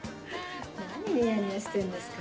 何ニヤニヤしてんですか？